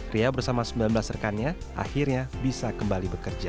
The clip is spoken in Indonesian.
ria bersama sembilan belas rekannya akhirnya bisa kembali bekerja